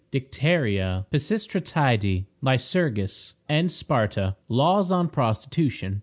Dicteria. Pisistratidæ. Lycurgus and Sparta. Laws on Prostitution.